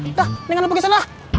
nih enggak lo pergi sana lah